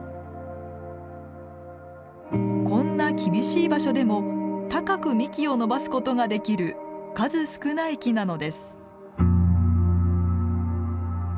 こんな厳しい場所でも高く幹を伸ばすことができる数少ない木なのです。